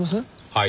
はい？